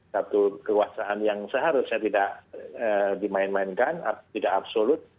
satu kekuasaan yang seharusnya tidak dimainkan tidak absolut